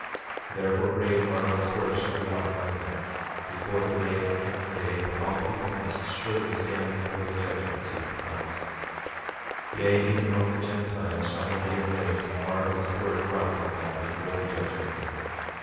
28:31 Therefore, great and marvelous works shall be wrought by them, before the great and coming day when all people must surely stand before the judgment seat of Christ; 28:32 Yea even among the Gentiles shall there be a great and marvelous work wrought by them, before that judgment day.